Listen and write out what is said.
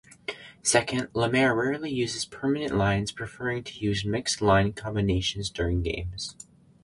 Second, Lemaire rarely uses permanent lines preferring to use mixed line combinations during games.